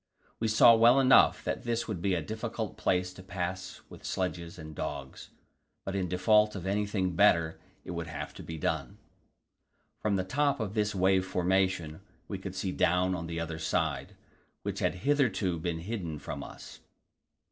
We saw well enough that this would be a difficult place to pass with sledges and dogs, but in default of anything better it would have to be done. From the top of this wave formation we could see down on the other side, which had hitherto been hidden from us.